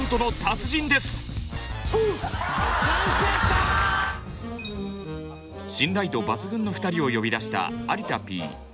信頼度抜群の２人を呼び出した有田Ｐ。